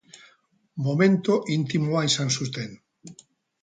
Momentu intimoa izan zuten.